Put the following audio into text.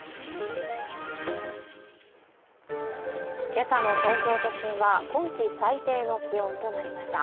今朝の東京都心は今期最低の気温となりました。